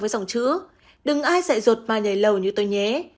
với dòng chữ đừng ai dạy rột mà nhảy lầu như tôi nhé